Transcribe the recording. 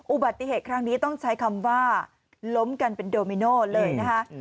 อุบัติเหตุครั้งนี้ต้องใช้คำว่าล้มกันเป็นโดมิโน่เลยนะคะ